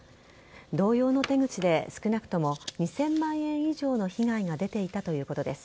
同様の手口で少なくとも２０００万円以上の被害が出ていたということです。